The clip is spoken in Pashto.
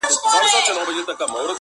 توکل نردئ، اندېښنه ښځه.